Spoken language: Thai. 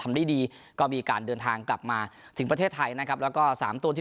ได้ดีก็มีการเดินทางกลับมาถึงประเทศไทยนะครับแล้วก็สามตัวที่